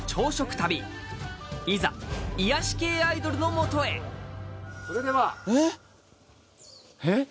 旅いざ癒やし系アイドルのもとへえっ？